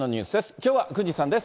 きょうは郡司さんです。